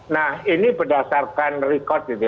nah ini berdasarkan record